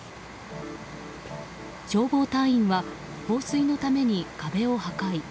消防隊員は放水のために壁を破壊。